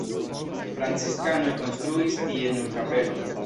Franciskanoj konstruis tie nur kapelon.